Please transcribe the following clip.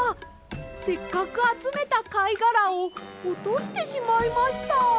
せっかくあつめたかいがらをおとしてしまいました。